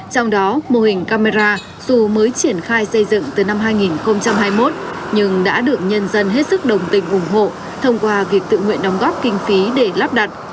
trong đó mô hình camera dù mới triển khai xây dựng từ năm hai nghìn hai mươi một nhưng đã được nhân dân hết sức đồng tình ủng hộ thông qua việc tự nguyện đóng góp kinh phí để lắp đặt